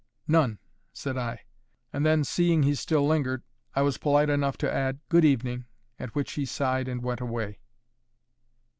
"None," said I; and then, seeing he still lingered, I was polite enough to add "Good evening;" at which he sighed and went away.